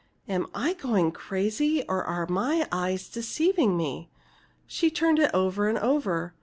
"Am I going crazy, or are my eyes deceiving me?" She turned it over and over.